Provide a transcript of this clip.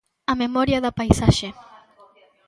A memoria da paisaxe.